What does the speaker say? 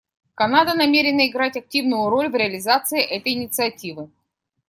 Канада намерена играть активную роль в реализации этой инициативы.